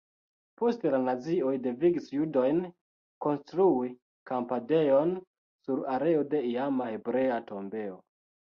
Poste la nazioj devigis judojn konstrui kampadejon sur areo de iama hebrea tombejo.